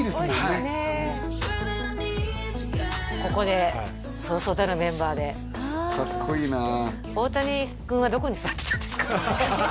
はいここでそうそうたるメンバーでかっこいいな大谷君はどこに座ってたんですか？